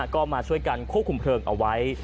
ก็มาช่วยกันควบคุมเพลิงเอาไว้